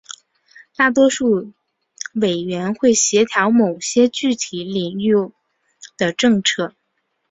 大多数委员会协调某些具体领域的政策。